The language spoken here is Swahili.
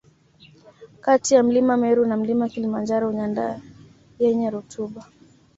Kati ya mlima Meru na Mlima Kilimanjaro nyanda yenye rutuba